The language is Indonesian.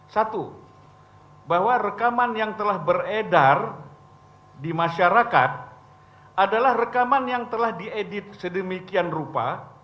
satu bahwa rekaman yang telah beredar di masyarakat adalah rekaman yang telah diedit sedemikian rupa